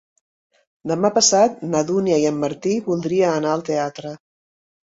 Demà passat na Dúnia i en Martí voldria anar al teatre.